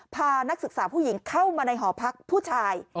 พานักศึกษาผู้หญิงเข้ามาในหอพักผู้ชาย